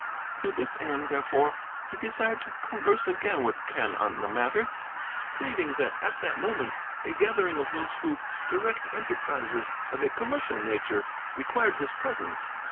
To this end, therefore, he desired to converse again with Quen on the matter, pleading that at that moment a gathering of those who direct enterprises of a commercial nature required his presence.